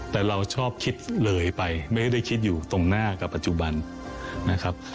แต่เราชอบคิดเลยไปไม่ได้คิดอยู่ตรงหน้ากับปัจจุบันนะครับ